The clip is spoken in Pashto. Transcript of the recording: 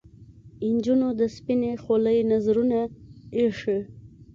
نجونو د سپنې خولې نذرونه ایښي